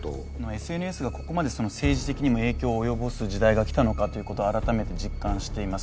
ＳＮＳがここまで政治的にも影響を及ぼす時代が来たのかと改めて実感しています。